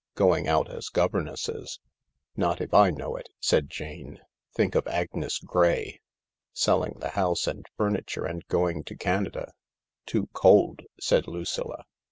Going out as governesses (" Not if I know it," said Jane. "Think of Agnes Gray"). Selling the house and furniture and going to Canada ("Too cold," said Lucilla.